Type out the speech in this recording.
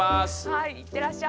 はい行ってらっしゃい。